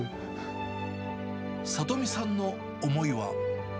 智美さんの思いは。